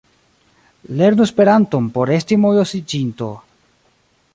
Lernu Esperanton por esti mojosiĝinto!